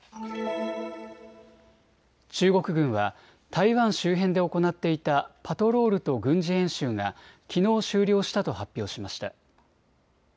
中国軍は台湾周辺で行っていたパトロールと軍事演習がきのう終了したと発表しました。